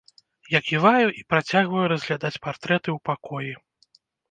Я ківаю і працягваю разглядаць партрэты ў пакоі.